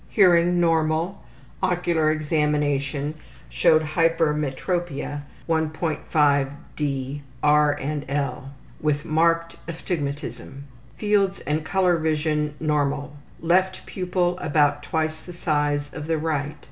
Hearing normal. Ocular examination showed hypermetropia 1.5 D. R. and L. with marked astigmatism. Fields and color vision normal. Left pupil about twice the size of the right.